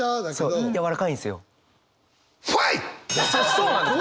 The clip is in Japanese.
そうなんですよ！